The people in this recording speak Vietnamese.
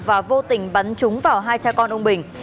và vô tình bắn trúng vào hai cha con ông bình